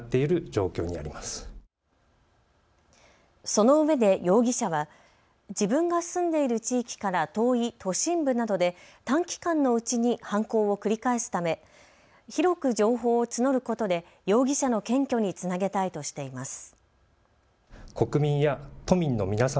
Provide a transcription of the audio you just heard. そのうえで容疑者は自分が住んでいる地域から遠い都心部などで短期間のうちに犯行を繰り返すため広く情報を募ることで容疑者の検挙につなげたいとしています。